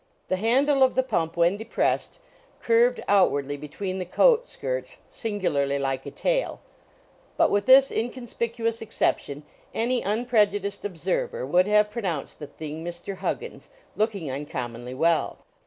The handle of the pump, when depressed, curved outwardly between the coat skirts, singularly like a tail, but with this inconspicuous exception, any unprejudiced observer would have pronounced the thing Mr. Huggins, looking uncommonly well.